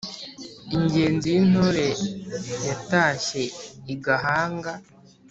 Ingenzi y'Intore yatashye I Gahanga.